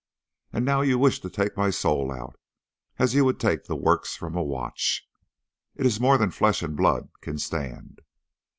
And now you wish to take my soul out, as you would take the works from a watch. It is more than flesh and blood can stand."